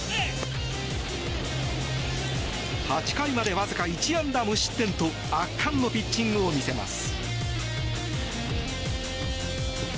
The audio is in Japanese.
８回までわずか１安打無失点と圧巻のピッチングを見せます。